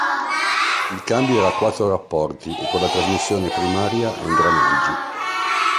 Il cambio era a quattro rapporti e con la trasmissione primaria a ingranaggi.